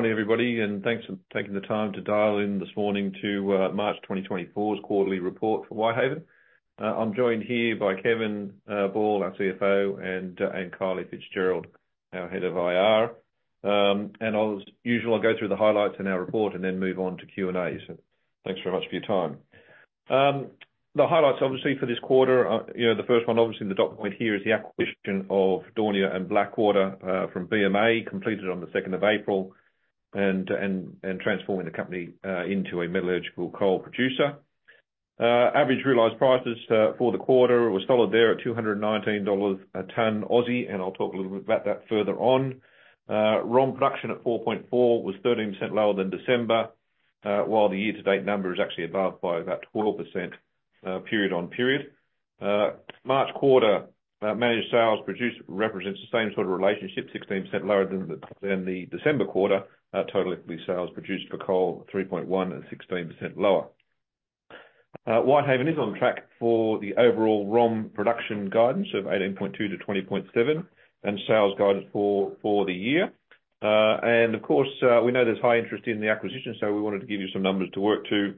Morning, everybody, and thanks for taking the time to dial in this morning to March 2024's Quarterly Report for Whitehaven. I'm joined here by Kevin Ball, our CFO, and Kylie FitzGerald, our head of IR. And as usual, I'll go through the highlights in our report and then move on to Q&A. So thanks very much for your time. The highlights, obviously, for this quarter, you know, the first one, obviously, in the dot point here is the acquisition of Daunia and Blackwater from BMA, completed on the 2nd of April, and transforming the company into a mid-tier coal producer. Average realized prices for the quarter were solid there at 219 dollars a ton, and I'll talk a little bit about that further on. ROM production at 4.4 was 13% lower than December, while the year-to-date number is actually above by about 12%, period on period. March quarter, managed sales produced represents the same sort of relationship, 16% lower than the December quarter. Total equity sales of produced coal 3.1 and 16% lower. Whitehaven is on track for the overall ROM production guidance of 18.2-20.7 and sales guidance for the year. Of course, we know there's high interest in the acquisition, so we wanted to give you some numbers to work to,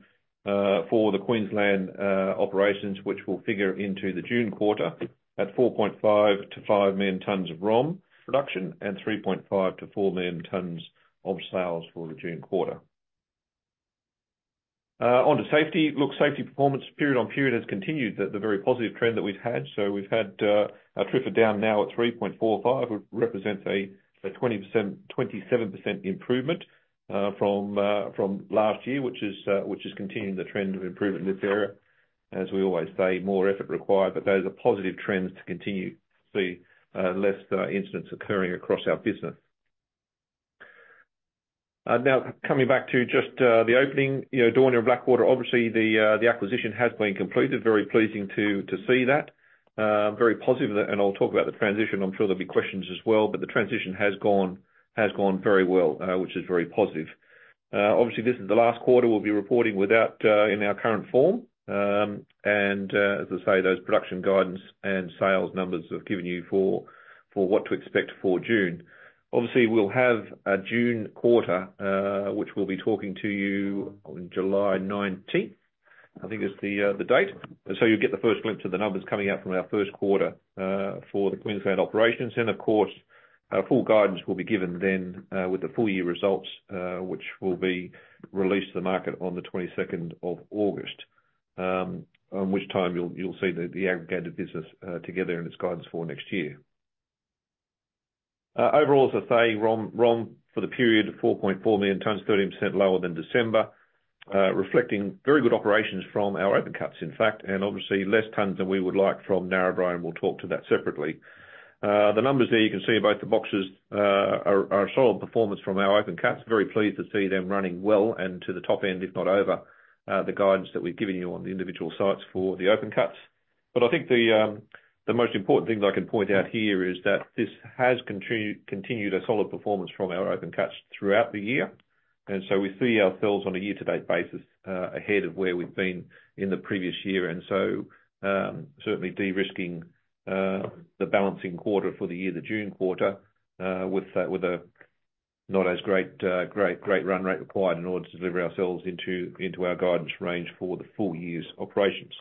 for the Queensland operations, which will figure into the June quarter at 4.5-5 million tons of ROM production and 3.5-4 million tons of sales for the June quarter. Onto safety. Look, safety performance period on period has continued the very positive trend that we've had. So we've had our TRIFR down now at 3.45, which represents a 20%-27% improvement from last year, which is continuing the trend of improvement in this area. As we always say, more effort required, but those are positive trends to continue. See less incidents occurring across our business. Now coming back to just the opening, you know, Daunia and Blackwater, obviously, the acquisition has been completed. Very pleasing to see that. Very positive, and I'll talk about the transition. I'm sure there'll be questions as well, but the transition has gone very well, which is very positive. Obviously, this is the last quarter we'll be reporting without in our current form. And as I say, those production guidance and sales numbers have given you for what to expect for June. Obviously, we'll have a June quarter, which we'll be talking to you on July 19th. I think it's the date. So you'll get the first glimpse of the numbers coming out from our first quarter, for the Queensland operations. And, of course, full guidance will be given then, with the full year results, which will be released to the market on the 22nd of August, at which time you'll see the aggregated business, together in its guidance for next year. Overall, as I say, ROM for the period 4.4 million tons, 30% lower than December, reflecting very good operations from our open cuts, in fact, and obviously less tons than we would like from Narrabri, and we'll talk to that separately. The numbers there you can see in both the boxes are solid performance from our open cuts. Very pleased to see them running well and to the top end, if not over, the guidance that we've given you on the individual sites for the open cuts. But I think the most important thing that I can point out here is that this has continued a solid performance from our open cuts throughout the year. And so we see ourselves on a year-to-date basis, ahead of where we've been in the previous year. And so, certainly de-risking the balancing quarter for the year, the June quarter, with a not as great run rate required in order to deliver ourselves into our guidance range for the full year's operations.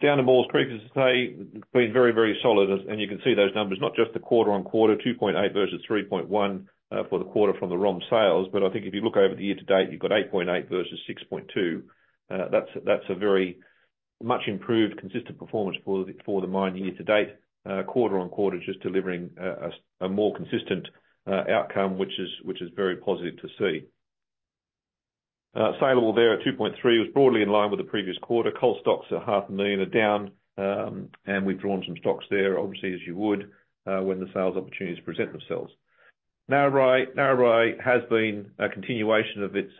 Down in Maules Creek, as I say, been very, very solid. And you can see those numbers, not just the QoQ, 2.8 versus 3.1, for the quarter from the ROM sales. But I think if you look over the year-to-date, you've got 8.8 versus 6.2. That's a very much improved, consistent performance for the mine year-to-date, QoQ, just delivering a more consistent outcome, which is very positive to see. Saleable there at 2.3 was broadly in line with the previous quarter. Coal stocks are 500,000, are down, and we've drawn some stocks there, obviously, as you would, when the sales opportunities present themselves. Narrabri has been a continuation of its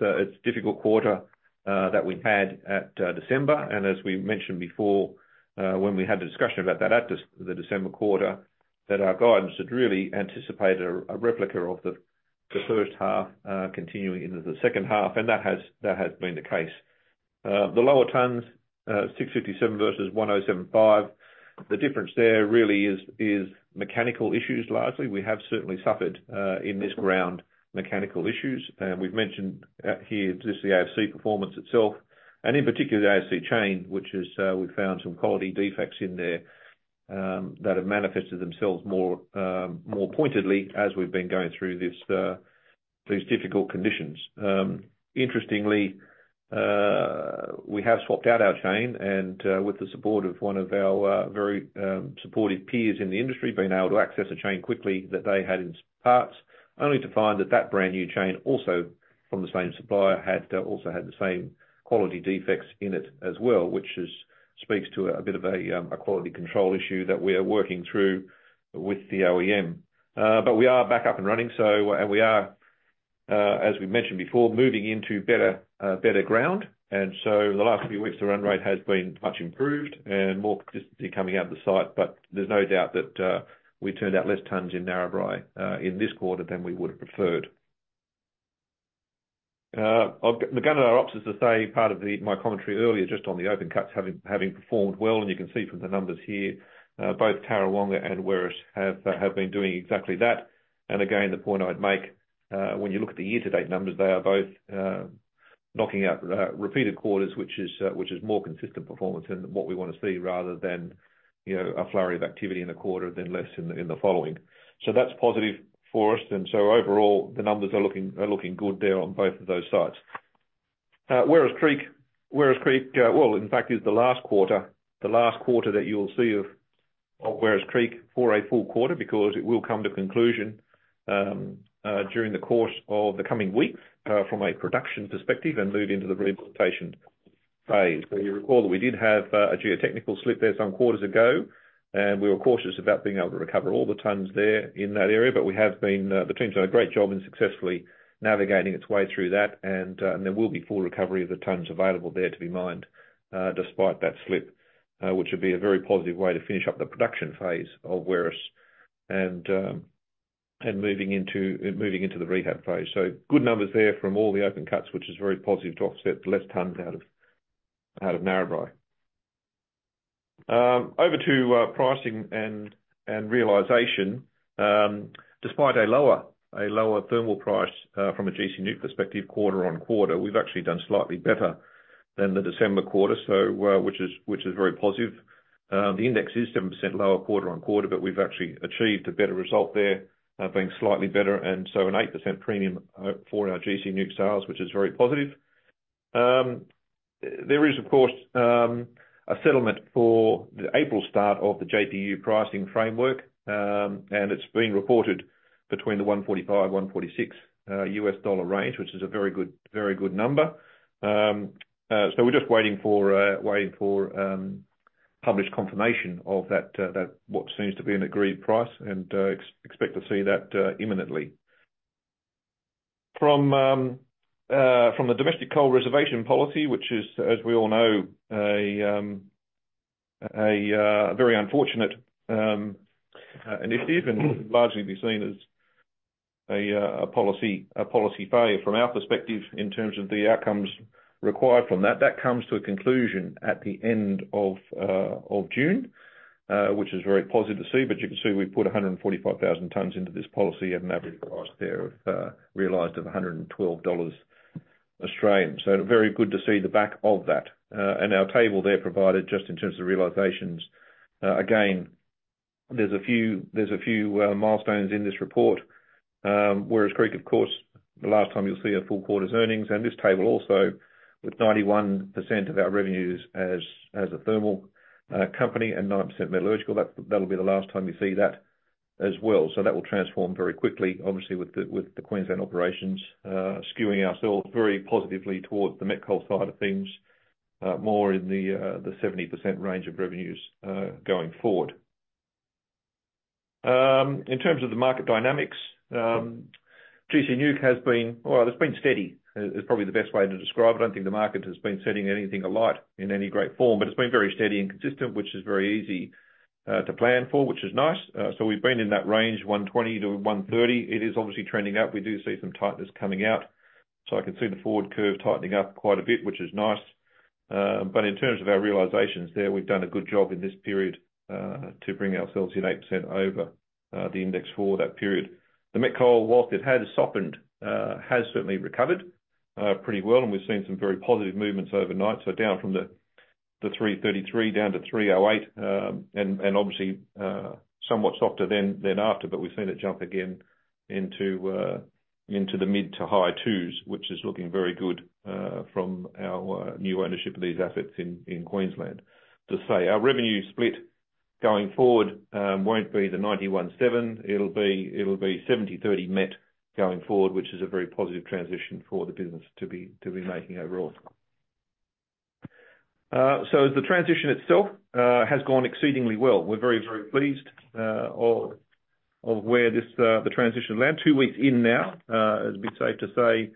difficult quarter that we had at December. And as we mentioned before, when we had the discussion about that at the December quarter, that our guidance had really anticipated a replica of the first half, continuing into the second half. And that has been the case. The lower tons, 657 versus 1,075, the difference there really is mechanical issues largely. We have certainly suffered in this ground mechanical issues. And we've mentioned at here just the AFC performance itself, and in particular the AFC chain, which is we've found some quality defects in there that have manifested themselves more pointedly as we've been going through these difficult conditions. Interestingly, we have swapped out our chain, and with the support of one of our very supportive peers in the industry been able to access a chain quickly that they had in parts, only to find that brand new chain also from the same supplier had the same quality defects in it as well, which speaks to a bit of a quality control issue that we are working through with the OEM. but we are back up and running, so, and we are, as we mentioned before, moving into better, better ground. And so the last few weeks the run rate has been much improved and more consistency coming out of the site. But there's no doubt that, we turned out less tons in Narrabri, in this quarter than we would have preferred. We got to run at our ops, as I say, part of my commentary earlier just on the open cuts having performed well. And you can see from the numbers here, both Tarrawonga and Werris Creek have been doing exactly that. And again, the point I'd make, when you look at the year-to-date numbers, they are both, knocking out, repeated quarters, which is more consistent performance than what we want to see rather than, you know, a flurry of activity in the quarter than less in the in the following. So that's positive for us. And so overall, the numbers are looking good there on both of those sites. Werris Creek, well, in fact, is the last quarter that you'll see of Werris Creek for a full quarter because it will come to conclusion, during the course of the coming weeks, from a production perspective and move into the rehabilitation phase. So you recall that we did have, a geotechnical slip there some quarters ago, and we were cautious about being able to recover all the tons there in that area. But we have been the team's done a great job in successfully navigating its way through that. And there will be full recovery of the tons available there, to be mined, despite that slip, which would be a very positive way to finish up the production phase of Werris Creek and moving into the rehab phase. So good numbers there from all the open cuts, which is very positive to offset the less tons out of Narrabri. Over to pricing and realization. Despite a lower thermal price, from a gC NEWC perspective, quarter on quarter, we've actually done slightly better than the December quarter, so which is very positive. The index is 7% lower QoQ, but we've actually achieved a better result there, being slightly better, and so an 8% premium for our GC Newcastle sales, which is very positive. There is, of course, a settlement for the April start of the JPU pricing framework, and it's been reported between the $145-$146 range, which is a very good number. So we're just waiting for published confirmation of that, what seems to be an agreed price, and expect to see that imminently. From the domestic coal reservation policy, which is, as we all know, a very unfortunate initiative and largely been seen as a policy failure from our perspective in terms of the outcomes required from that. That comes to a conclusion at the end of June, which is very positive to see. But you can see we put 145,000 tons into this policy at an average price there of realized of $112. So very good to see the back of that. And our table there provided just in terms of realizations. Again, there's a few milestones in this report. Werris Creek, of course, the last time you'll see our full quarter's earnings. And this table also with 91% of our revenues as a thermal company and 9% metallurgical. That'll be the last time you see that as well. So that will transform very quickly, obviously, with the Queensland operations skewing ourselves very positively towards the met coal side of things, more in the 70% range of revenues going forward. In terms of the market dynamics, gC NEWC has been well; it's been steady, is probably the best way to describe. I don't think the market has been setting anything alight in any great form. But it's been very steady and consistent, which is very easy to plan for, which is nice. So we've been in that range $120-$130. It is obviously trending up. We do see some tightness coming out. So I can see the forward curve tightening up quite a bit, which is nice. But in terms of our realizations there, we've done a good job in this period to bring ourselves in 8% over the index for that period. The met coal, whilst it has softened, has certainly recovered pretty well. And we've seen some very positive movements overnight. So down from the $333 down to $308, and obviously somewhat softer than after. But we've seen it jump again into the mid- to high-2s, which is looking very good, from our new ownership of these assets in Queensland. To say, our revenue split going forward won't be the 91.7. It'll be 70-30 met going forward, which is a very positive transition for the business to be making overall. So as the transition itself has gone exceedingly well. We're very, very pleased of where this, the transition lands. Two weeks in now, it'd be safe to say,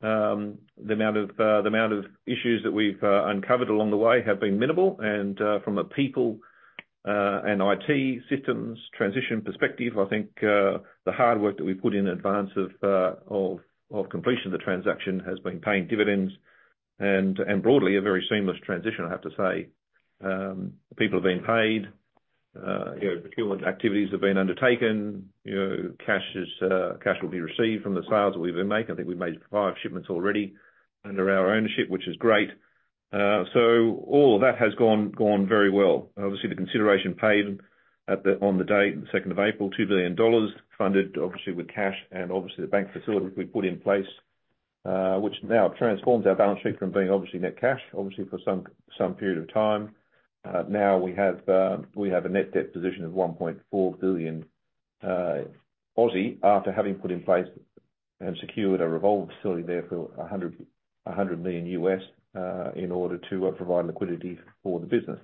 the amount of issues that we've uncovered along the way have been minimal. And from a people and IT systems transition perspective, I think the hard work that we put in advance of completion of the transaction has been paying dividends. And broadly, a very seamless transition, I have to say. People have been paid. You know, procurement activities have been undertaken. You know, cash is, cash will be received from the sales that we've been making. I think we've made 5 shipments already under our ownership, which is great. So all of that has gone very well. Obviously, the consideration paid at, on the date, the 2nd of April, $2 billion, funded obviously with cash and obviously the bank facilities we put in place, which now transforms our balance sheet from being obviously net cash, obviously for some period of time. Now we have a net debt position of 1.4 billion after having put in place and secured a revolver facility there for $100 million, in order to provide liquidity for the business.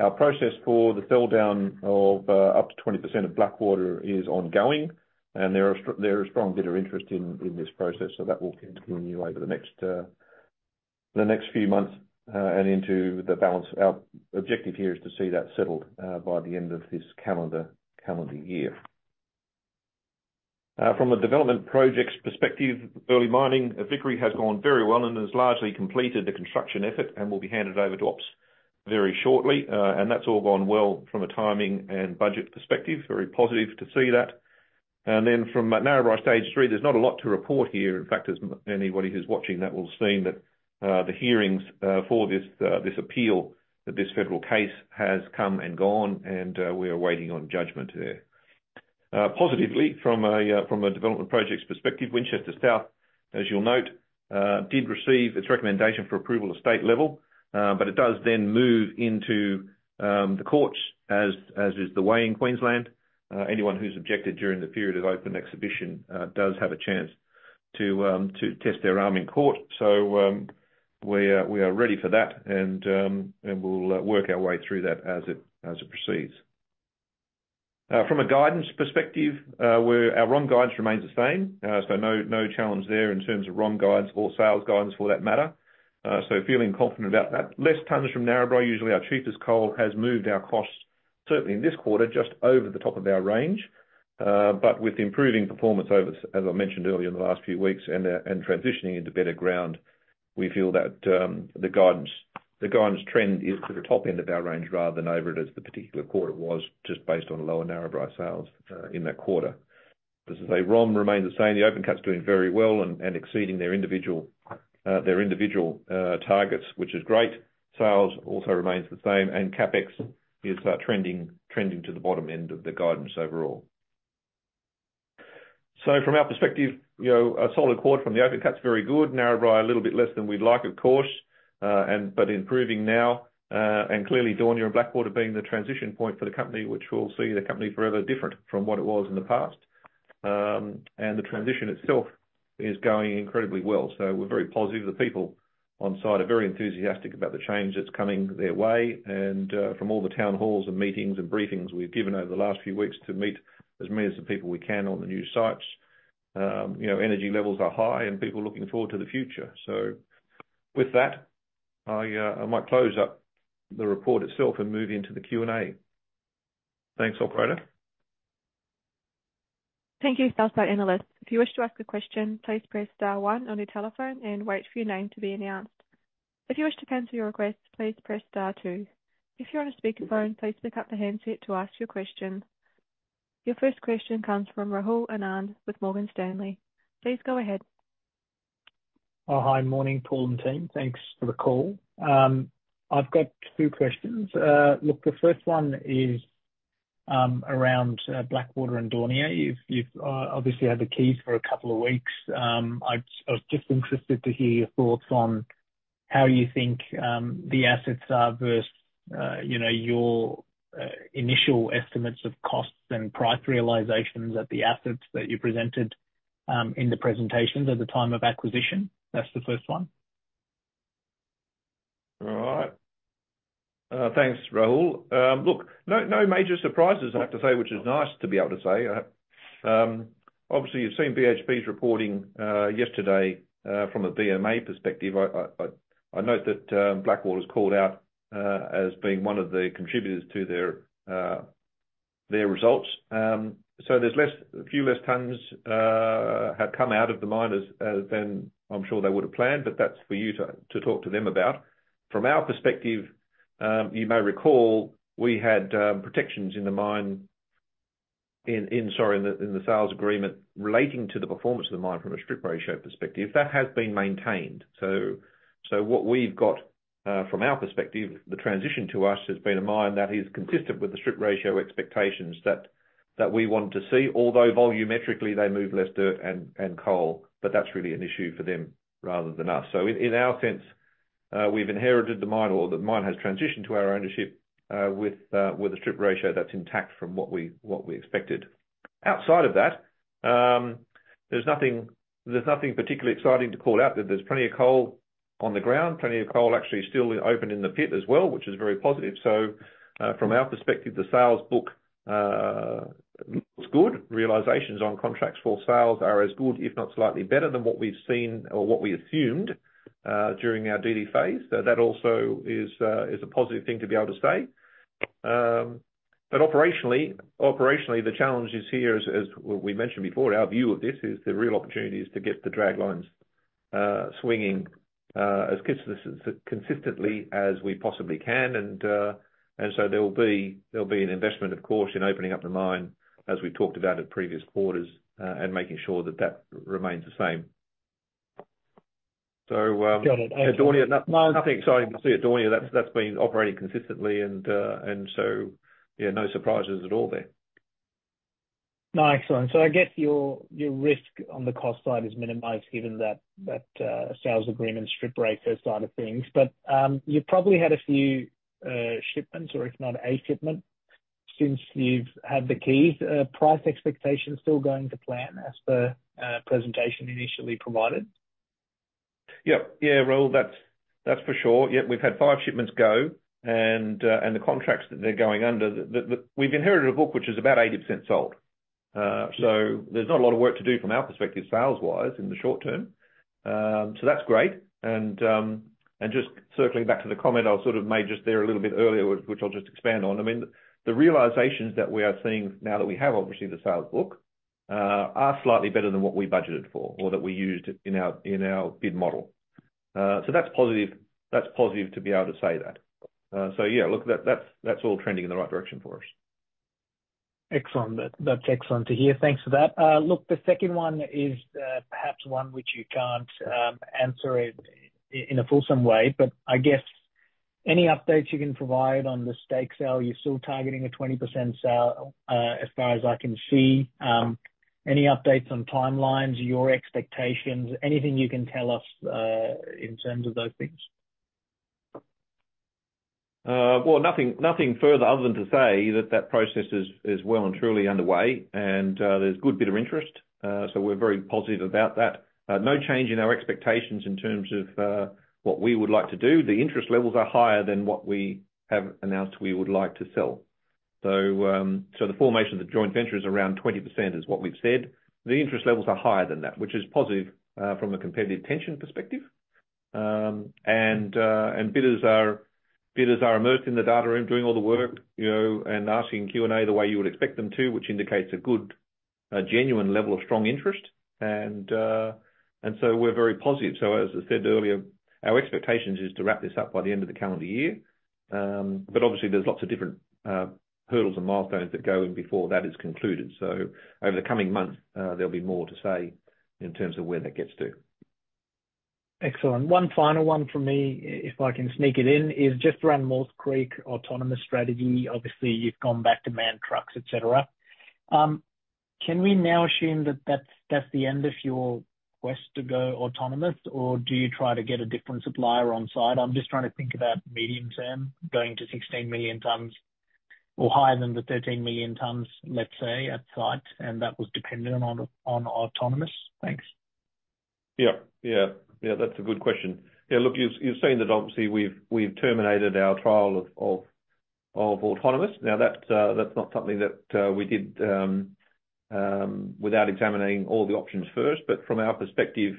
Our process for the sell down of up to 20% of Blackwater is ongoing. There is a strong bit of interest in this process. So that will continue over the next few months, and into the balance. Our objective here is to see that settled by the end of this calendar year. From a development projects perspective, early mining at Vickery has gone very well and has largely completed the construction effort and will be handed over to ops very shortly. And that's all gone well from a timing and budget perspective. Very positive to see that. And then from Narrabri Stage 3, there's not a lot to report here. In fact, as anybody who's watching that will have seen that, the hearings for this appeal that this federal case has come and gone. And we are waiting on judgment there. Positively from a development projects perspective, Winchester South, as you'll note, did receive its recommendation for approval at state level. But it does then move into the courts, as is the way in Queensland. Anyone who's objected during the period of open exhibition does have a chance to test their arm in court. So, we are ready for that. And we'll work our way through that as it proceeds. From a guidance perspective, our ROM guidance remains the same. So no challenge there in terms of ROM guides or sales guides for that matter. So feeling confident about that. Less tons from Narrabri, usually our cheapest coal has moved our costs, certainly in this quarter, just over the top of our range. But with improving performance over, as I mentioned earlier, in the last few weeks and transitioning into better ground, we feel that the guidance trend is to the top end of our range rather than over it as the particular quarter was just based on lower Narrabri sales in that quarter. This ROM remains the same. The open cut's doing very well and exceeding their individual targets, which is great. Sales also remains the same. And CAPEX is trending to the bottom end of the guidance overall. So from our perspective, you know, a solid quarter from the open cut's very good. Narrabri, a little bit less than we'd like, of course, and improving now. And clearly, Daunia and Blackwater being the transition point for the company, which we'll see the company forever different from what it was in the past. The transition itself is going incredibly well. So we're very positive. The people on site are very enthusiastic about the change that's coming their way. And, from all the town halls and meetings and briefings we've given over the last few weeks to meet as many as the people we can on the new sites, you know, energy levels are high and people looking forward to the future. So with that, I, I might close up the report itself and move into the Q&A. Thanks, operator. Thank you, Sell-side analysts. If you wish to ask a question, please press star one on your telephone and wait for your name to be announced. If you wish to cancel your request, please press star two. If you're on a speakerphone, please pick up the handset to ask your question. Your first question comes from Rahul Anand with Morgan Stanley. Please go ahead. Oh, hi. Morning, Paul and team. Thanks for the call. I've got two questions. Look, the first one is around Blackwater and Daunia. You've obviously had the keys for a couple of weeks. I was just interested to hear your thoughts on how you think the assets are versus, you know, your initial estimates of costs and price realizations at the assets that you presented in the presentation at the time of acquisition. That's the first one. All right. Thanks, Rahul. Look, no major surprises, I have to say, which is nice to be able to say. Obviously, you've seen BHP's reporting, yesterday, from a BMA perspective. I note that, Blackwater's called out, as being one of the contributors to their results. So there's a few less tons, have come out of the mines than I'm sure they would have planned. But that's for you to talk to them about. From our perspective, you may recall we had, protections in the mine, sorry, in the sales agreement relating to the performance of the mine from a strip ratio perspective. That has been maintained. So what we've got, from our perspective, the transition to us has been a mine that is consistent with the strip ratio expectations that we wanted to see, although volumetrically, they move less dirt and coal. But that's really an issue for them rather than us. So in our sense, we've inherited the mine or the mine has transitioned to our ownership, with a strip ratio that's intact from what we expected. Outside of that, there's nothing particularly exciting to call out. There's plenty of coal on the ground. Plenty of coal actually still open in the pit as well, which is very positive. So, from our perspective, the sales book looks good. Realizations on contracts for sales are as good, if not slightly better, than what we've seen or what we assumed, during our duty phase. So that also is a positive thing to be able to say. But operationally, the challenge is here, as we mentioned before, our view of this is the real opportunity is to get the draglines swinging as consistently as we possibly can. And so there'll be an investment, of course, in opening up the mine as we've talked about at previous quarters, and making sure that that remains the same. So, Daunia, nothing exciting to see at Daunia. That's been operating consistently. And so, yeah, no surprises at all there. No, excellent. So I guess your risk on the cost side is minimized given that sales agreement strip ratio side of things. But you've probably had a few shipments or if not a shipment since you've had the keys. Price expectations still going to plan as the presentation initially provided? Yep. Yeah, Rahul, that's for sure. Yep, we've had 5 shipments go. And the contracts that they're going under, we've inherited a book which is about 80% sold. So there's not a lot of work to do from our perspective sales-wise in the short term. So that's great. And just circling back to the comment I sort of made just there a little bit earlier, which I'll just expand on. I mean, the realizations that we are seeing now that we have obviously the sales book, are slightly better than what we budgeted for or that we used in our bid model. So that's positive to be able to say that. So, yeah, look, that's all trending in the right direction for us. Excellent. That's excellent to hear. Thanks for that. Look, the second one is, perhaps one which you can't answer in a fulsome way. But I guess any updates you can provide on the stake sale. You're still targeting a 20% sale, as far as I can see. Any updates on timelines, your expectations, anything you can tell us, in terms of those things? Well, nothing further other than to say that process is well and truly underway. There's a good bit of interest, so we're very positive about that. No change in our expectations in terms of what we would like to do. The interest levels are higher than what we have announced we would like to sell. So the formation of the joint venture is around 20% is what we've said. The interest levels are higher than that, which is positive from a competitive tension perspective. Bidders are immersed in the data room doing all the work, you know, and asking Q&A the way you would expect them to, which indicates a good, genuine level of strong interest. So we're very positive. As I said earlier, our expectations is to wrap this up by the end of the calendar year. But obviously, there's lots of different hurdles and milestones that go in before that is concluded. So over the coming months, there'll be more to say in terms of where that gets to. Excellent. One final one from me, if I can sneak it in, is just around Maules Creek autonomous strategy. Obviously, you've gone back to manned trucks, etc. Can we now assume that that's the end of your quest to go autonomous, or do you try to get a different supplier on site? I'm just trying to think about medium term, going to 16 million tonnes or higher than the 13 million tonnes, let's say, at site. And that was dependent on autonomous. Thanks. Yep. Yeah. Yeah, that's a good question. Yeah, look, you're saying that obviously, we've terminated our trial of autonomous. Now, that's not something that we did without examining all the options first. But from our perspective,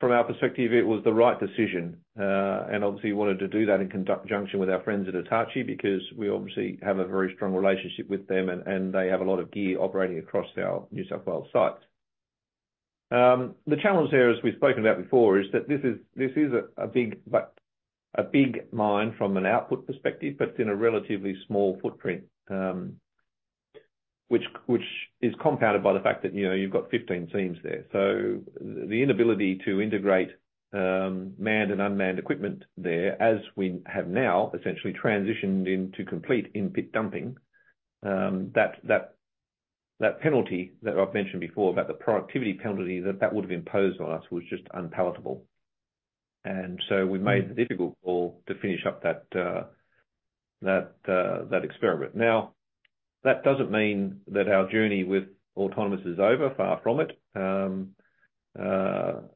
it was the right decision. And obviously, we wanted to do that in conjunction with our friends at Hitachi because we obviously have a very strong relationship with them, and they have a lot of gear operating across our New South Wales sites. The challenge there, as we've spoken about before, is that this is a big but a big mine from an output perspective, but it's in a relatively small footprint, which is compounded by the fact that, you know, you've got 15 teams there. So the inability to integrate manned and unmanned equipment there, as we have now essentially transitioned into complete in-pit dumping, that penalty that I've mentioned before about the productivity penalty that would have imposed on us was just unpalatable. And so we made it difficult to finish up that experiment. Now, that doesn't mean that our journey with autonomous is over, far from it.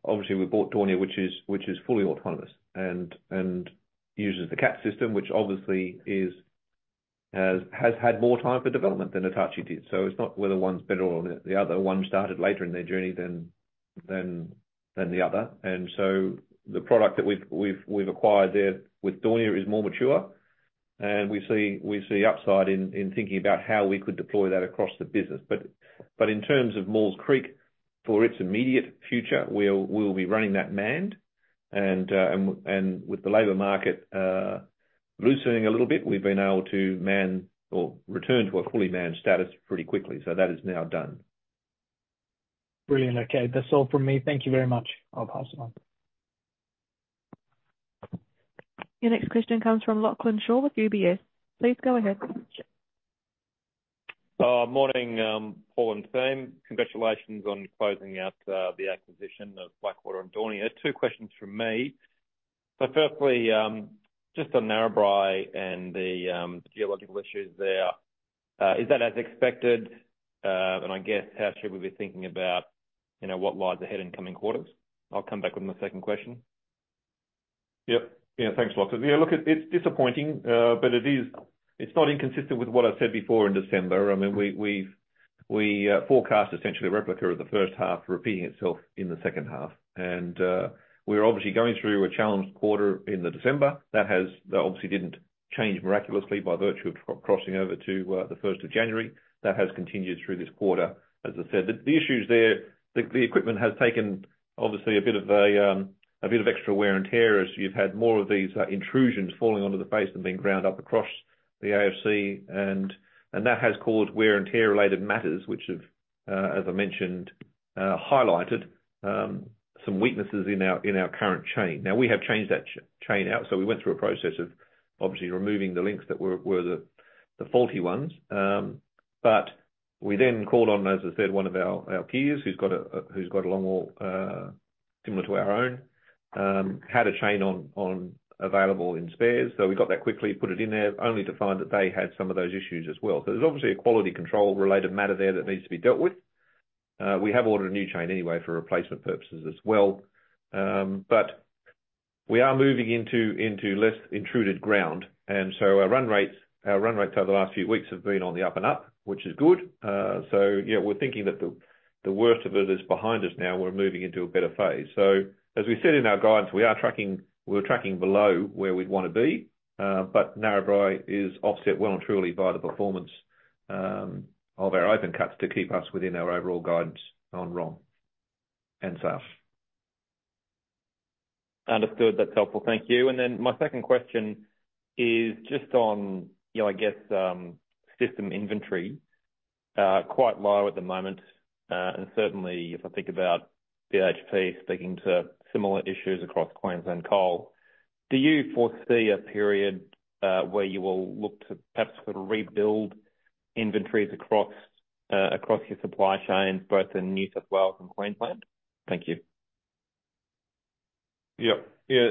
Obviously, we bought Daunia, which is fully autonomous and uses the Cat system, which obviously has had more time for development than Hitachi did. So it's not whether one's better or the other. One started later in their journey than the other. And so the product that we've acquired there with Daunia is more mature. And we see upside in thinking about how we could deploy that across the business. But in terms of Maules Creek, for its immediate future, we'll be running that manned. And with the labor market loosening a little bit, we've been able to man or return to a fully manned status pretty quickly. So that is now done. Brilliant. Okay. That's all from me. Thank you very much. I'll pass it on. Your next question comes from Lachlan Shaw with UBS. Please go ahead. Oh, morning, Paul and team. Congratulations on closing out the acquisition of Blackwater and Daunia. Two questions from me. So firstly, just on Narrabri and the geological issues there, is that as expected? And I guess how should we be thinking about, you know, what lies ahead in coming quarters? I'll come back with my second question. Yep. Yeah, thanks, Lachlan. Yeah, look, it's disappointing, but it is, it's not inconsistent with what I said before in December. I mean, we forecast essentially a replica of the first half repeating itself in the second half. And, we're obviously going through a challenged quarter in the December. That has obviously didn't change miraculously by virtue of crossing over to the 1st of January. That has continued through this quarter. As I said, the issues there, the equipment has taken obviously a bit of extra wear and tear as you've had more of these intrusions falling onto the face and being ground up across the AFC. And that has caused wear and tear-related matters, which have, as I mentioned, highlighted some weaknesses in our current chain. Now, we have changed that chain out. So we went through a process of obviously removing the links that were the faulty ones. But we then called on, as I said, one of our peers who's got a long wall, similar to our own, had a chain on available in spares. So we got that quickly, put it in there, only to find that they had some of those issues as well. So there's obviously a quality control-related matter there that needs to be dealt with. We have ordered a new chain anyway for replacement purposes as well. But we are moving into less intruded ground. And so our run rates over the last few weeks have been on the up and up, which is good. So, yeah, we're thinking that the worst of it is behind us now. We're moving into a better phase. So as we said in our guidance, we are tracking below where we'd want to be. But Narrabri is offset well and truly by the performance of our open cuts to keep us within our overall guidance on ROM and sales. Understood. That's helpful. Thank you. And then my second question is just on, you know, I guess, system inventory, quite low at the moment. And certainly, if I think about BHP speaking to similar issues across Queensland coal, do you foresee a period where you will look to perhaps sort of rebuild inventories across, across your supply chains, both in New South Wales and Queensland? Thank you. Yep. Yeah,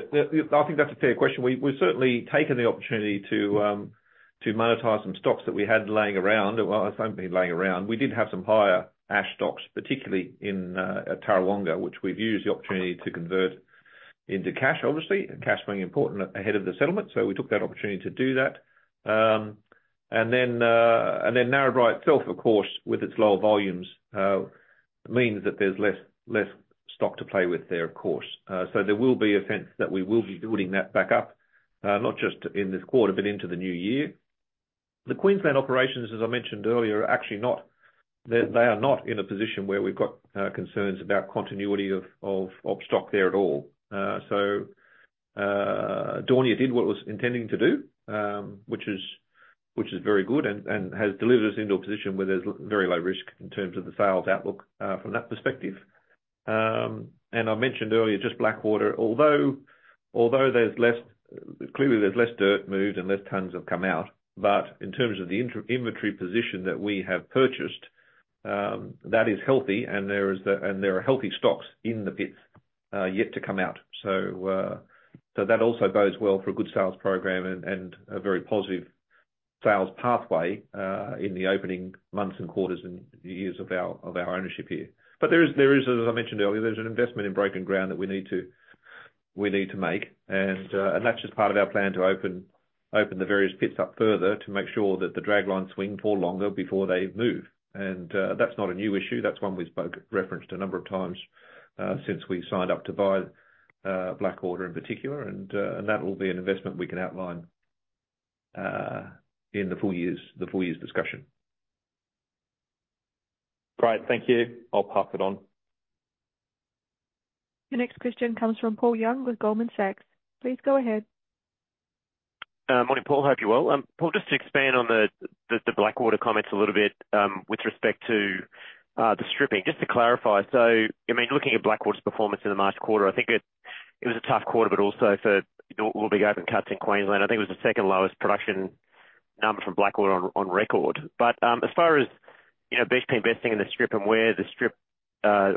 I think that's a fair question. We've certainly taken the opportunity to monetize some stocks that we had laying around. Well, I say laying around. We did have some higher ash stocks, particularly in Tarrawonga, which we've used the opportunity to convert into cash, obviously. Cash being important ahead of the settlement. So we took that opportunity to do that. And then Narrabri itself, of course, with its lower volumes, means that there's less stock to play with there, of course. So there will be a sense that we will be building that back up, not just in this quarter but into the new year. The Queensland operations, as I mentioned earlier, are actually not—they are not in a position where we've got concerns about continuity of stock there at all. So, Daunia did what it was intending to do, which is very good and has delivered us into a position where there's very low risk in terms of the sales outlook, from that perspective. And I mentioned earlier just Blackwater, although there's less clearly, there's less dirt moved and less tons have come out. But in terms of the inventory position that we have purchased, that is healthy. And there are healthy stocks in the pits, yet to come out. So that also bodes well for a good sales program and a very positive sales pathway, in the opening months and quarters and years of our ownership here. But there is, as I mentioned earlier, an investment in broken ground that we need to make. And that's just part of our plan to open the various pits up further to make sure that the draglines swing for longer before they move. And that's not a new issue. That's one we've referenced a number of times since we signed up to buy Blackwater in particular. And that will be an investment we can outline in the full years discussion. Great. Thank you. I'll pass it on. Your next question comes from Paul Young with Goldman Sachs. Please go ahead. Morning, Paul. Hope you're well. Paul, just to expand on the Blackwater comments a little bit, with respect to the stripping. Just to clarify, so I mean, looking at Blackwater's performance in the March quarter, I think it was a tough quarter, but also for all big open cuts in Queensland. I think it was the second lowest production number from Blackwater on record. But, as far as, you know, BHP investing in the strip and where the strip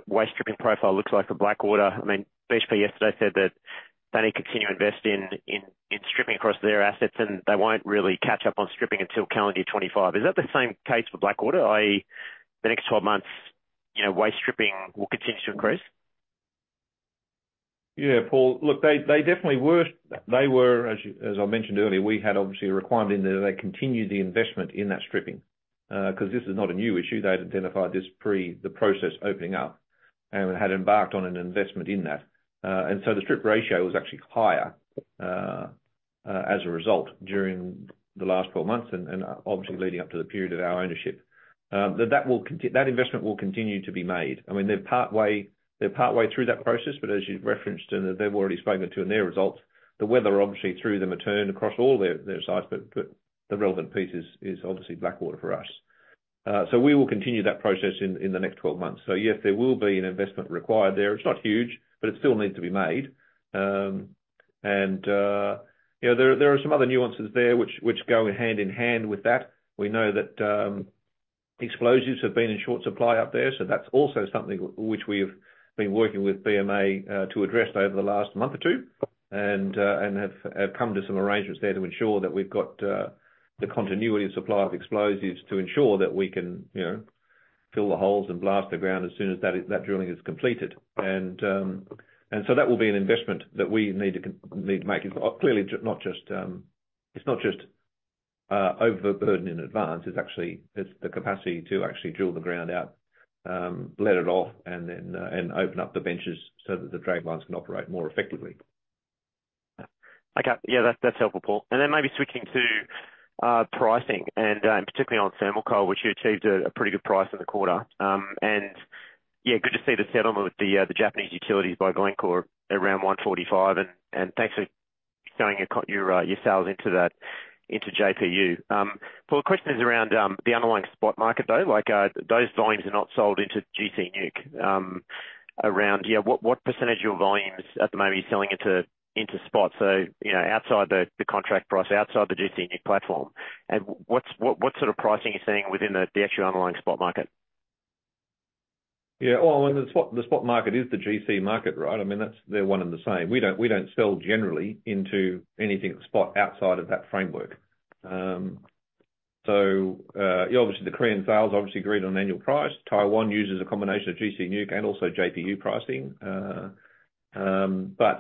waste stripping profile looks like for Blackwater, I mean, BHP yesterday said that they need to continue investing in stripping across their assets, and they won't really catch up on stripping until calendar year 2025. Is that the same case for Blackwater? In the next 12 months, you know, waste stripping will continue to increase? Yeah, Paul. Look, they definitely were, as I mentioned earlier, we had obviously a requirement in there that they continued the investment in that stripping, because this is not a new issue. They'd identified this pre the process opening up and had embarked on an investment in that. And so the strip ratio was actually higher, as a result during the last 12 months and obviously leading up to the period of our ownership. That will continue. That investment will continue to be made. I mean, they're partway through that process. But as you've referenced and they've already spoken to in their results, the weather obviously threw them a curve across all their sites. But the relevant piece is obviously Blackwater for us. So we will continue that process in the next 12 months. So yes, there will be an investment required there. It's not huge, but it still needs to be made. And, yeah, there are some other nuances there which go hand in hand with that. We know that explosives have been in short supply up there. So that's also something which we have been working with BMA to address over the last month or two and have come to some arrangements there to ensure that we've got the continuity of supply of explosives to ensure that we can, you know, fill the holes and blast the ground as soon as that drilling is completed. And so that will be an investment that we need to make. It's clearly not just, it's not just, overburden in advance. It's actually the capacity to actually drill the ground out, let it off, and then open up the benches so that the draglines can operate more effectively. Okay. Yeah, that's helpful, Paul. And then maybe switching to pricing and particularly on thermal coal, which you achieved a pretty good price in the quarter. And yeah, good to see the settlement with the Japanese utilities by Glencore around $145. And thanks for selling your sales into that into JPU. Paul, the question is around the underlying spot market, though. Like, those volumes are not sold into GC Newc, around yeah, what percentage of your volumes at the moment you're selling into spot? So, you know, outside the contract price, outside the GC Newc platform. And what's sort of pricing you're seeing within the actual underlying spot market? Yeah. Well, I mean, the spot market is the GC market, right? I mean, that's they're one and the same. We don't sell generally into anything spot outside of that framework. So, yeah, obviously, the Korean sales obviously agreed on an annual price. Taiwan uses a combination of GC Newc and also JPU pricing. But,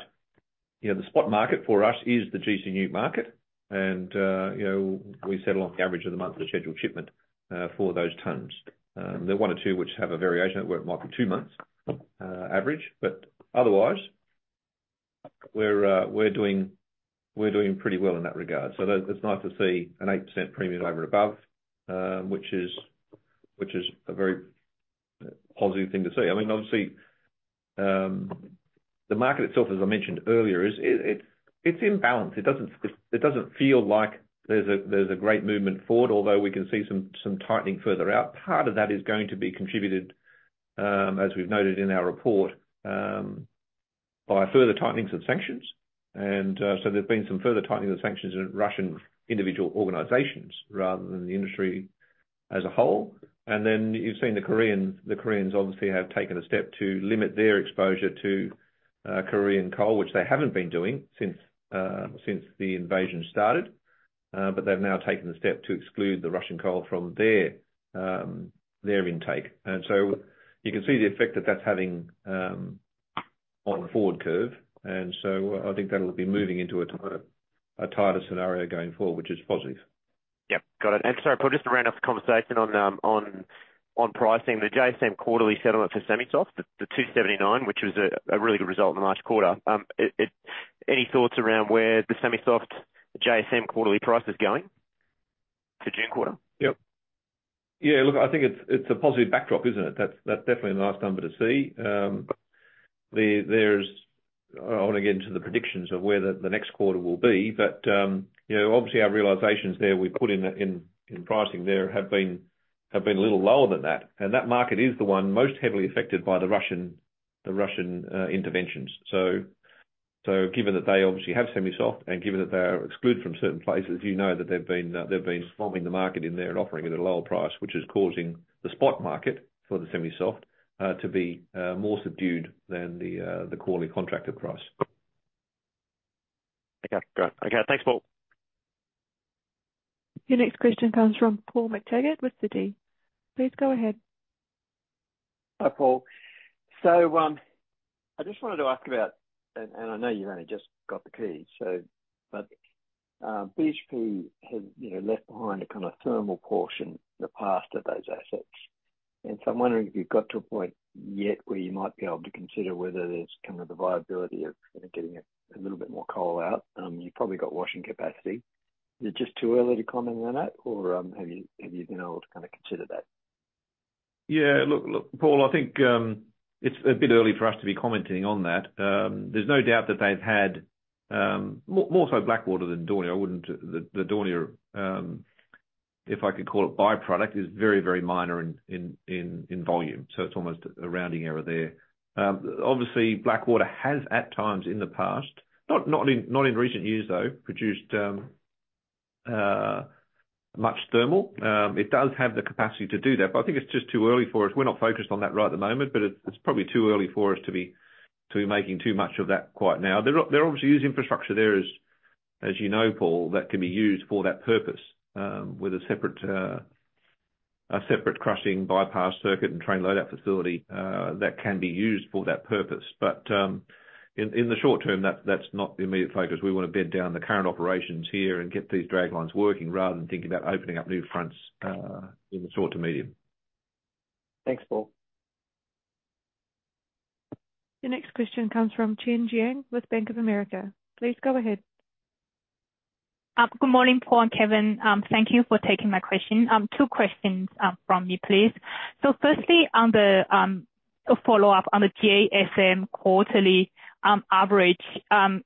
you know, the spot market for us is the GC Newc market. And, you know, we settle on the average of the monthly scheduled shipment, for those tons. There are one or two which have a variation that might be two months, average. But otherwise, we're doing pretty well in that regard. So it's nice to see an 8% premium over and above, which is a very positive thing to see. I mean, obviously, the market itself, as I mentioned earlier, is it's in balance. It doesn't feel like there's a great movement forward, although we can see some tightening further out. Part of that is going to be contributed, as we've noted in our report, by further tightenings of sanctions. And so there's been some further tightening of sanctions in Russian individual organizations rather than the industry as a whole. And then you've seen the Koreans obviously have taken a step to limit their exposure to Korean coal, which they haven't been doing since the invasion started. But they've now taken the step to exclude the Russian coal from their intake. And so you can see the effect that that's having on the forward curve. And so I think that'll be moving into a tighter scenario going forward, which is positive. Yep. Got it. And sorry, Paul, just a roundup conversation on pricing. The JSM quarterly settlement for semi-soft, the $279, which was a really good result in the March quarter, it any thoughts around where the semi-soft JSM quarterly price is going for June quarter? Yep. Yeah, look, I think it's a positive backdrop, isn't it? That's definitely a nice number to see. There's, I want to get into the predictions of where the next quarter will be. But, you know, obviously, our realizations there we put in that pricing there have been a little lower than that. And that market is the one most heavily affected by the Russian interventions. So given that they obviously have semi-soft and given that they are excluded from certain places, you know that they've been swamping the market in there and offering it at a lower price, which is causing the spot market for the semi-soft to be more subdued than the quarterly contracted price. Okay. Great. Okay. Thanks, Paul. Your next question comes from Paul McTaggart with Citi. Please go ahead. Hi, Paul. So, I just wanted to ask about and I know you've only just got the keys. But BHP has, you know, left behind a kind of thermal portion in the wash of those assets. And so I'm wondering if you've got to a point yet where you might be able to consider whether there's kind of the viability of, you know, getting a little bit more coal out. You've probably got washing capacity. Is it just too early to comment on that, or have you been able to kind of consider that? Yeah. Look, Paul, I think it's a bit early for us to be commenting on that. There's no doubt that they've had more so Blackwater than Daunia. I wouldn't the Daunia, if I could call it byproduct, is very, very minor in volume. So it's almost a rounding error there. Obviously, Blackwater has at times in the past, not in recent years though, produced much thermal. It does have the capacity to do that. But I think it's just too early for us. We're not focused on that right at the moment. But it's probably too early for us to be making too much of that quite now. They're obviously using infrastructure there, as you know, Paul, that can be used for that purpose, with a separate crushing bypass circuit and train loadout facility, that can be used for that purpose. But, in the short term, that's not the immediate focus. We want to bed down the current operations here and get these draglines working rather than thinking about opening up new fronts, in the short to medium. Thanks, Paul. Your next question comes from Chen Jiang with Bank of America. Please go ahead. Good morning, Paul and Kevin. Thank you for taking my question. Two questions from me, please. So firstly, on the, a follow-up on the JSM quarterly average,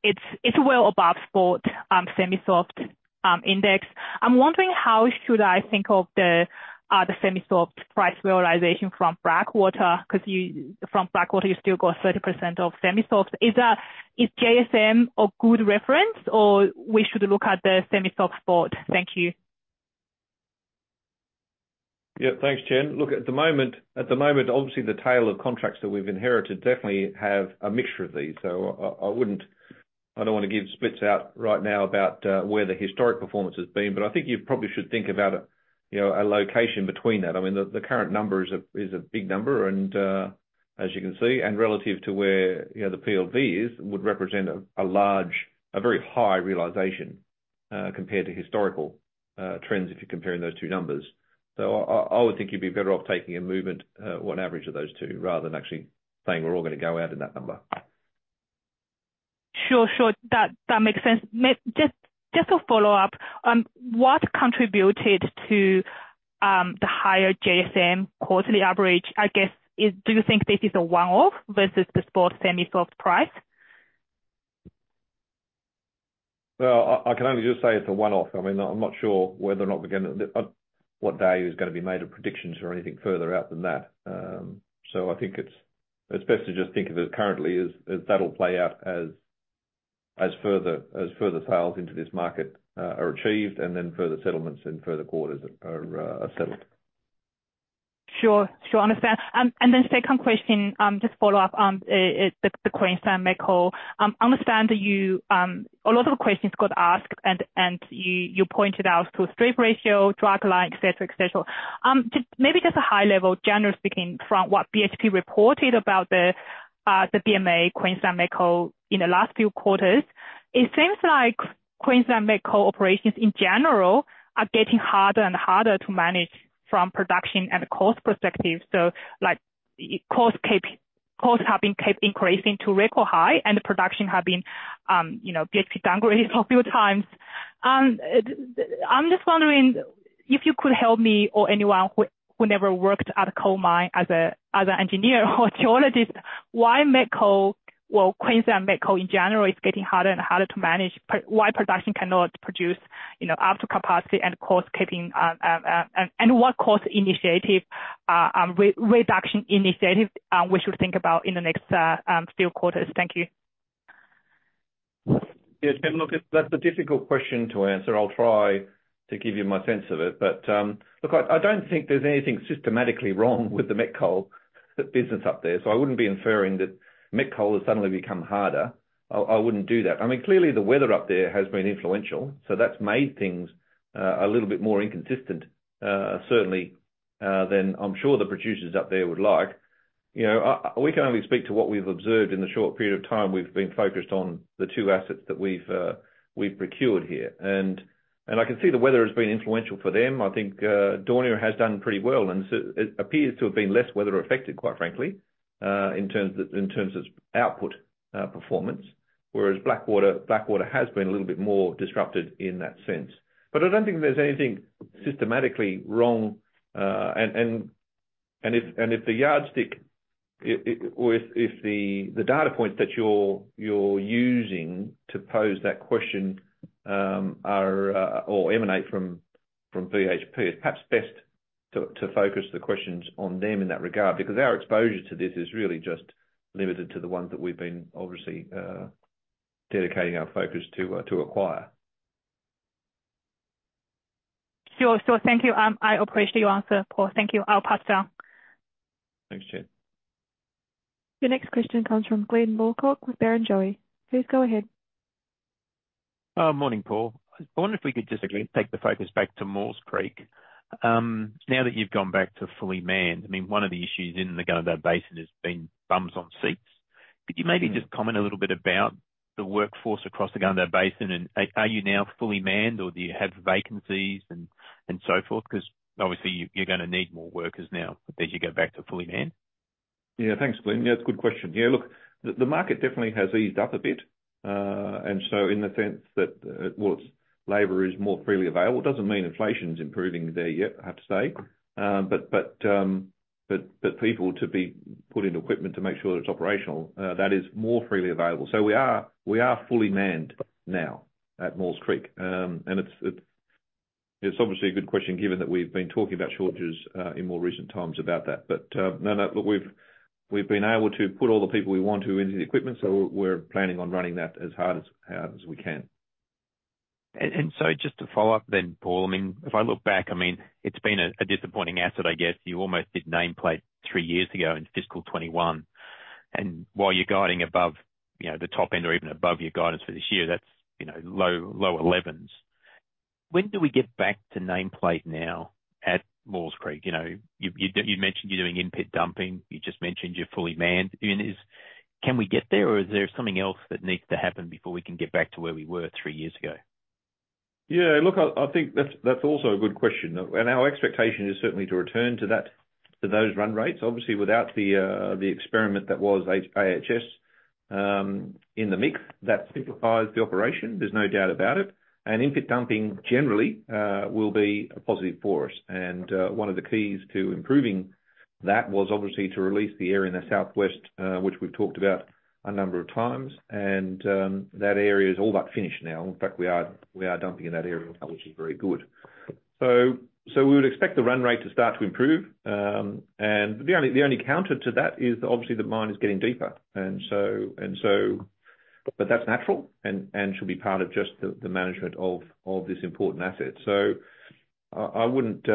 it's it's well above spot semi-soft index. I'm wondering, how should I think of the semi-soft price realization from Blackwater? Because you from Blackwater, you still got 30% of semi-soft. Is that is JSM a good reference, or we should look at the semi-soft spot? Thank you. Yeah. Thanks, Chen. Look, at the moment, obviously, the tail of contracts that we've inherited definitely have a mixture of these. So I wouldn't I don't want to give splits out right now about where the historic performance has been. But I think you probably should think about a, you know, a location between that. I mean, the current number is a big number. And, as you can see, relative to where, you know, the PLV is, would represent a large very high realization, compared to historical trends if you're comparing those two numbers. So I would think you'd be better off taking a movement, or an average of those two rather than actually saying, "We're all going to go out in that number. Sure. That makes sense. Just a follow-up. What contributed to the higher JSM quarterly average? I guess, do you think this is a one-off versus the spot semi-soft price? Well, I can only just say it's a one-off. I mean, I'm not sure whether or not we're going to what value is going to be made of predictions or anything further out than that. So I think it's best to just think of it currently as that'll play out as further sales into this market are achieved and then further settlements and further quarters are settled. Sure. Sure. Understand. And then second question, just follow-up on the Queensland met coal. I understand that you, a lot of the questions got asked, and you pointed out to strip ratio, drag line, etc., etc. Just maybe a high level, generally speaking, from what BHP reported about the BMA Queensland met coal in the last few quarters, it seems like Queensland met coal operations in general are getting harder and harder to manage from production and cost perspective. So, like, costs have been increasing to record high, and production have been, you know, BHP downgraded a few times. I'm just wondering if you could help me or anyone who never worked at a coal mine as an engineer or geologist, why met coal, well, Queensland met coal in general is getting harder and harder to manage. Why production cannot produce, you know, up to capacity and cost-keeping, and what cost initiative, reduction initiative, we should think about in the next few quarters? Thank you. Yeah, Chen, look, that's a difficult question to answer. I'll try to give you my sense of it. But, look, I don't think there's anything systematically wrong with the met coal business up there. So I wouldn't be inferring that met coal has suddenly become harder. I wouldn't do that. I mean, clearly, the weather up there has been influential. So that's made things a little bit more inconsistent, certainly, than I'm sure the producers up there would like. You know, we can only speak to what we've observed in the short period of time we've been focused on the two assets that we've procured here. And I can see the weather has been influential for them. I think Daunia has done pretty well. And it appears to have been less weather-affected, quite frankly, in terms of output performance. Whereas Blackwater has been a little bit more disrupted in that sense. But I don't think there's anything systematically wrong, and if the yardstick or if the data points that you're using to pose that question are or emanate from BHP, it's perhaps best to focus the questions on them in that regard because our exposure to this is really just limited to the ones that we've been obviously dedicating our focus to acquire. Sure. Sure. Thank you. I appreciate your answer, Paul. Thank you. I'll pass it on. Thanks, Chen. Your next question comes from Glyn Lawcock with Barrenjoey. Please go ahead. Oh, morning, Paul. I wonder if we could just take the focus back to Maules Creek. Now that you've gone back to fully manned, I mean, one of the issues in the Gunnedah Basin has been bums on seats. Could you maybe just comment a little bit about the workforce across the Gunnedah Basin? And are you now fully manned, or do you have vacancies and so forth? Because obviously, you're going to need more workers now as you go back to fully manned. Yeah. Thanks, Glyn. Yeah, it's a good question. Yeah, look, the market definitely has eased up a bit. And so in the sense that, well, it's labor is more freely available. It doesn't mean inflation's improving there yet, I have to say. But people to be put into equipment to make sure that it's operational, that is more freely available. So we are fully manned now at Maules Creek. And it's obviously a good question given that we've been talking about shortages in more recent times about that. But, no, look, we've been able to put all the people we want to into the equipment. So we're planning on running that as hard as we can. So just to follow up then, Paul, I mean, if I look back, I mean, it's been a disappointing asset, I guess. You almost did nameplate three years ago in fiscal 2021. And while you're guiding above, you know, the top end or even above your guidance for this year, that's, you know, low elevens. When do we get back to nameplate now at Maules Creek? You know, you've mentioned you're doing in-pit dumping. You just mentioned you're fully manned. I mean, can we get there, or is there something else that needs to happen before we can get back to where we were three years ago? Yeah. Look, I think that's also a good question. And our expectation is certainly to return to that to those run rates, obviously, without the experiment that was AHS, in the mix. That simplifies the operation. There's no doubt about it. And one of the keys to improving that was obviously to release the area in the southwest, which we've talked about a number of times. And that area is all but finished now. In fact, we are dumping in that area, which is very good. So we would expect the run rate to start to improve. And the only counter to that is, obviously, the mine is getting deeper. And so but that's natural and should be part of just the management of this important asset. So I wouldn't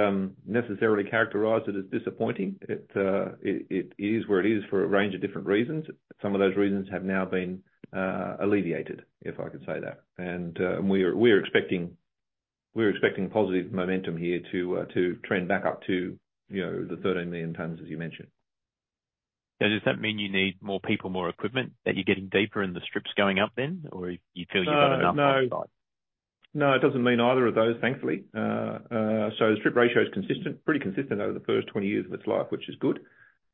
necessarily characterise it as disappointing. It is where it is for a range of different reasons. Some of those reasons have now been alleviated, if I can say that. And we're expecting positive momentum here to trend back up to, you know, the 13,000,000 tons, as you mentioned. Yeah. Does that mean you need more people, more equipment, that you're getting deeper in the strips going up then, or you feel you've got enough outside? No. No. It doesn't mean either of those, thankfully. So the strip ratio is pretty consistent over the first 20 years of its life, which is good.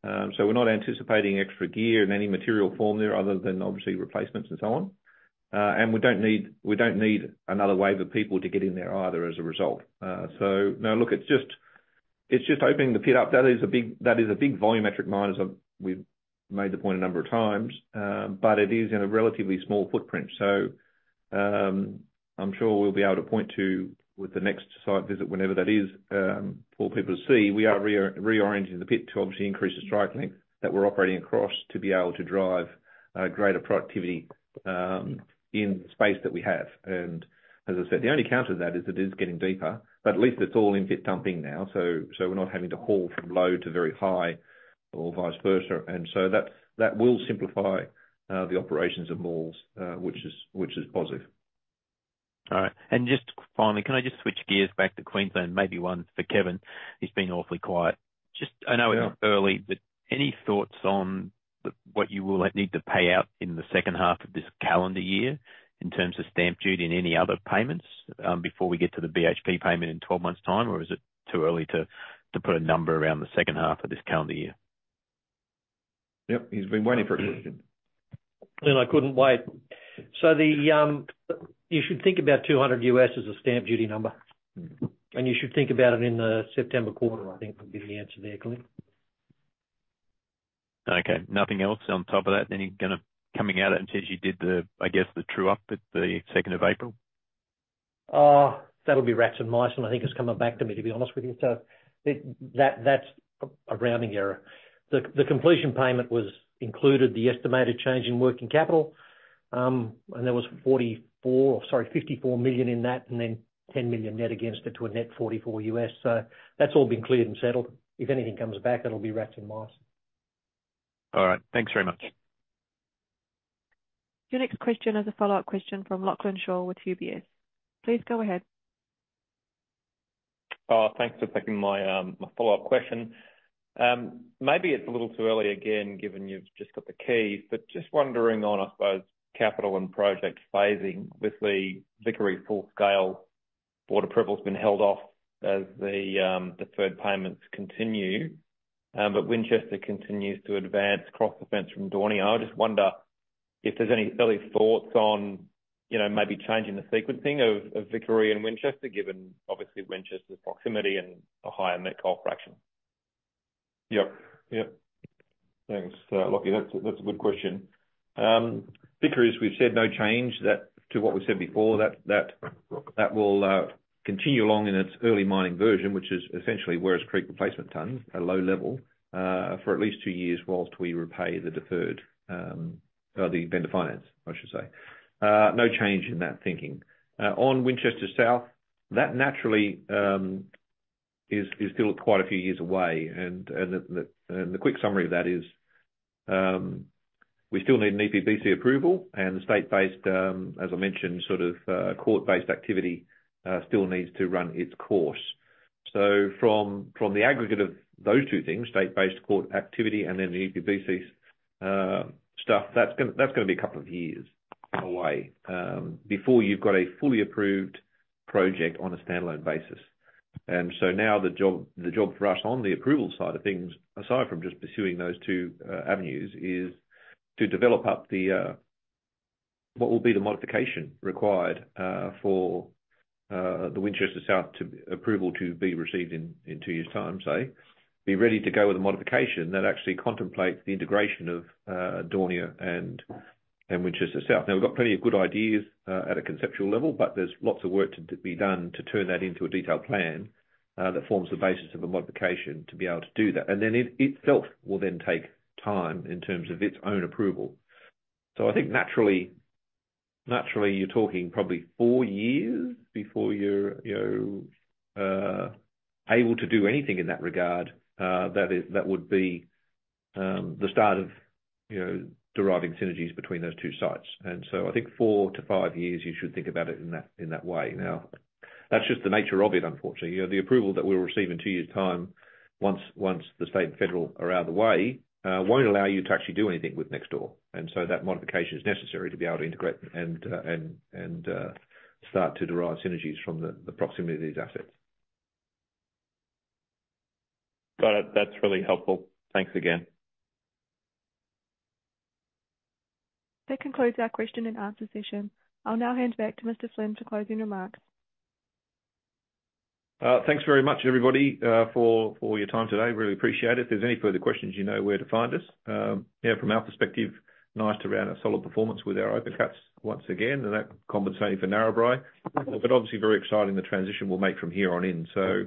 So we're not anticipating extra gear in any material form there other than, obviously, replacements and so on. We don't need another wave of people to get in there either as a result. So no, look, it's just opening the pit up. That is a big volumetric mine, as we've made the point a number of times. But it is in a relatively small footprint. So, I'm sure we'll be able to point to with the next site visit, whenever that is, for people to see, we are reorienting the pit to obviously increase the strike length that we're operating across to be able to drive greater productivity in the space that we have. And as I said, the only counter to that is it is getting deeper. But at least it's all in-pit dumping now. So we're not having to haul from low to very high or vice versa. And so that's that will simplify the operations of Maules Creek, which is positive. All right. And just finally, can I just switch gears back to Queensland? Maybe one for Kevin. He's been awfully quiet. Just, I know it's early, but any thoughts on the what you will need to pay out in the second half of this calendar year in terms of stamp duty and any other payments, before we get to the BHP payment in 12 months' time, or is it too early to put a number around the second half of this calendar year? Yep. He's been waiting for a question. Glyn, I couldn't wait. So the, you should think about $200 as a stamp duty number. And you should think about it in the September quarter, I think, would be the answer there, Glyn. Okay. Nothing else on top of that? Anything you know, coming out at it and says you did the, I guess, the true-up at the 2nd of April? That'll be rats and mice. And I think it's coming back to me, to be honest with you. So, that that's a rounding error. The completion payment was included the estimated change in working capital. And there was 44 or sorry, $54 million in that and then $10 million net against it to a net $44 million. So that's all been cleared and settled. If anything comes back, it'll be rats and mice. All right. Thanks very much. Your next question has a follow-up question from Lachlan Shaw with UBS. Please go ahead. Oh, thanks for taking my follow-up question. Maybe it's a little too early again, given you've just got the keys. But just wondering on, I suppose, capital and project phasing. With the Vickery full-scale, Board approval has been held off as the deferred payments continue. But Winchester continues to advance across the fence from Daunia. I just wonder if there's any early thoughts on, you know, maybe changing the sequencing of Vickery and Winchester, given, obviously, Winchester's proximity and a higher met coal fraction. Yep. Yep. Thanks, Lachlan. That's a good question. Vickery, we've said, no change. That, to what we've said before, that will continue along in its early mining version, which is essentially Werris Creek replacement tonnes at low level, for at least two years whilst we repay the deferred, or the vendor finance, I should say. No change in that thinking. On Winchester South, that naturally is still quite a few years away. And the quick summary of that is, we still need an EPBC approval. And the state-based, as I mentioned, sort of, court-based activity, still needs to run its course. So from the aggregate of those two things, state-based court activity and then the EPBC's stuff, that's going to be a couple of years away, before you've got a fully approved project on a standalone basis. So now the job for us on the approval side of things, aside from just pursuing those two avenues, is to develop up the what will be the modification required for the Winchester South approval to be received in two years' time, say, be ready to go with a modification that actually contemplates the integration of Daunia and Winchester South. Now, we've got plenty of good ideas at a conceptual level, but there's lots of work to be done to turn that into a detailed plan that forms the basis of a modification to be able to do that. And then it itself will then take time in terms of its own approval. So I think naturally, you're talking probably 4 years before you're, you know, able to do anything in that regard, that is, that would be the start of, you know, deriving synergies between those two sites. And so I think 4-5 years, you should think about it in that way. Now, that's just the nature of it, unfortunately. You know, the approval that we'll receive in 2 years' time once the state and federal are out of the way, won't allow you to actually do anything with next door. And so that modification is necessary to be able to integrate and start to derive synergies from the proximity of these assets. Got it. That's really helpful. Thanks again. That concludes our question and answer session. I'll now hand back to Mr. Flynn for closing remarks. Thanks very much, everybody, for your time today. Really appreciate it. If there's any further questions, you know where to find us. Yeah, from our perspective, nice to round a solid performance with our open cuts once again. And that compensated for Narrabri. But obviously, very exciting the transition we'll make from here on in. So,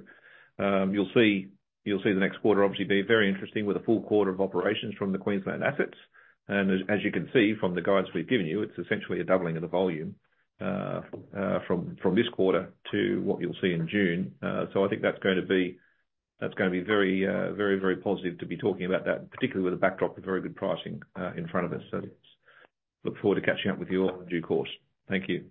you'll see the next quarter obviously be very interesting with a full quarter of operations from the Queensland assets. And as you can see from the guides we've given you, it's essentially a doubling of the volume, from this quarter to what you'll see in June. So I think that's going to be very, very, very positive to be talking about that, particularly with a backdrop of very good pricing, in front of us. So look forward to catching up with you all in due course. Thank you.